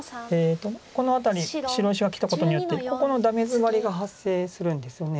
この辺り白石がきたことによってここのダメヅマリが発生するんですよね。